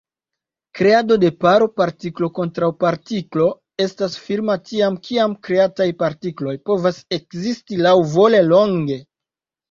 Kreado de paro partiklo-kontraŭpartiklo estas firma tiam, kiam kreataj partikloj povas ekzisti laŭvole longe.